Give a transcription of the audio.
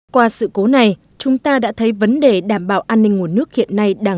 qua sự cố này chúng ta đã thấy vấn đề đảm bảo an ninh nguồn nước hiện nay đang